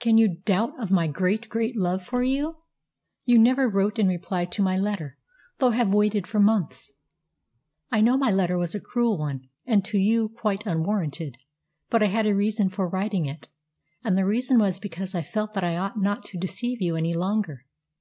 "Can you doubt of my great, great love for you? You never wrote in reply to my letter, though I have waited for months. I know my letter was a cruel one, and to you quite unwarranted; but I had a reason for writing it, and the reason was because I felt that I ought not to deceive you any longer.